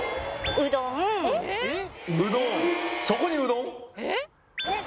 うどんそこにうどん！？